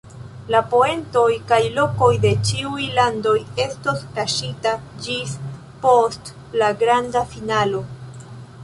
La poentoj kaj lokoj de ĉiuj landoj estos kaŝita ĝis post la granda finalo.